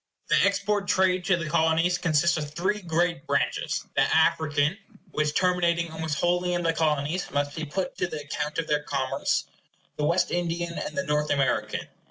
The export trade to the Colonies consists of three great branches: the African which, terminating almost wholly in the Colonies, must be put to the account of their commerce, the Wes the North American.